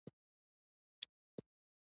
د ماشومانو په سویه لیکنه یې نه کوله.